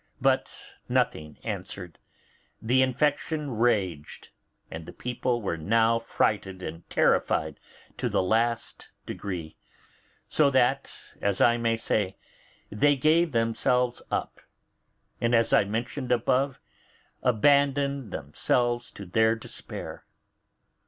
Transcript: But nothing answered; the infection raged, and the people were now frighted and terrified to the last degree: so that, as I may say, they gave themselves up, and, as I mentioned above, abandoned themselves to their despair.